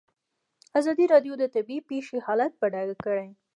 ازادي راډیو د طبیعي پېښې حالت په ډاګه کړی.